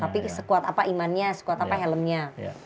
tapi sekuat apa imannya sekuat apa helmnya